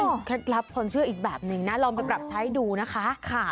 เป็นเคล็ดลับความเชื่ออีกแบบหนึ่งนะลองไปปรับใช้ดูนะคะ